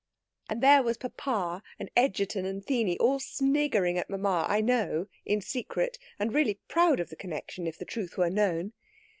And there was papa and Egerton and Theeny all sniggering at mamma, I know, in secret, and really proud of the connexion, if the truth were known.